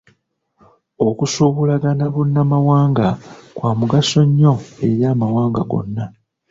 Okusuubulagana bunnamawanga kwa mugaso nnyo eri amawanga gonna.